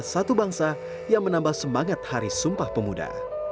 satu bangsa yang menambah semangat hari sumpah pemuda